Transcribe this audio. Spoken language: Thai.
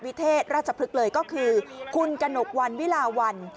เทศราชพฤกษ์เลยก็คือคุณกระหนกวันวิลาวัน